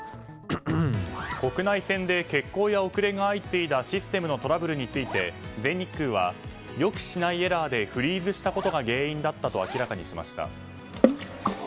国内線で欠航や遅れが相次いだシステムのトラブルについて全日空は予期しないエラーでフリーズしたことが原因だったと明らかにしました。